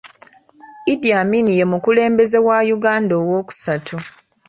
Idi Amin ye mukulembeze wa Uganda owokusatu.